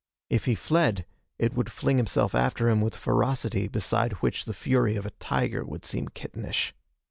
If he fled, it would fling itself after him with ferocity beside which the fury of a tiger would seem kittenish.